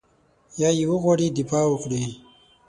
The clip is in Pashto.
یا یې وغواړي دفاع وکړي.